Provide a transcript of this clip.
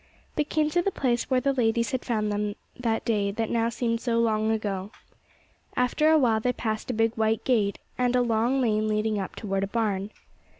They came to the place where the ladies had found them that day that now seemed so long ago. After a while they passed a big white gate, and a long lane leading up toward a barn.